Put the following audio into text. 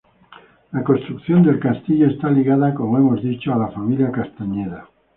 La construcción del castillo está ligada como hemos dicho a la familia Castañeda.